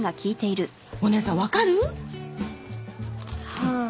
お姉さん分かる？はあ。